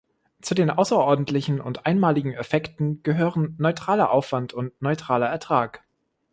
Zu den außerordentlichen und einmaligen Effekten gehören neutraler Aufwand und neutraler Ertrag.